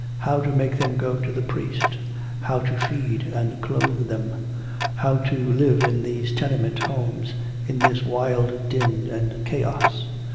How to make them go to the priest? How to feed and clothe them? How to live in these tenement homes, in this wild din and chaos?